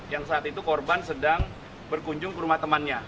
yang saat itu korban sedang berkunjung ke rumah temannya